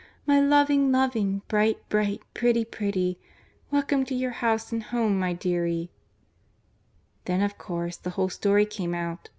My loving loving, bright bright, pretty pretty! Welcome to your house and home, my deary!" Then of course the whole story came out.